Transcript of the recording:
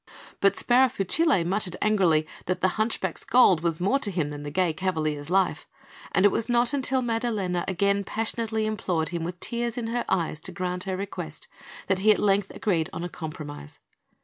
But Sparafucile muttered angrily that the hunchback's gold was more to him than the gay cavalier's life; and it was not until Maddalena again passionately implored him with tears in her eyes to grant her request, that he at length agreed on a compromise.